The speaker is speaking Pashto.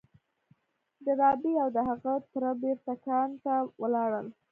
ډاربي او د هغه تره بېرته کان ته ولاړل.